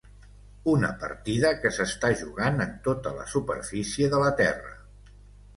Una partida que s'està jugant en tota la superfície de la terra